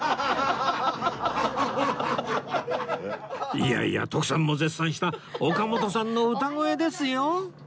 いやいや徳さんも絶賛した岡本さんの歌声ですよ